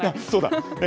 そうだ。